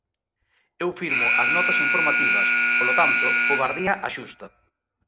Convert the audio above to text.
Eu firmo as notas informativas, polo tanto, covardía a xusta.